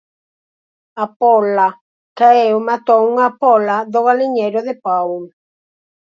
A póla caeu e matou unha pola do galiñeiro de Paul.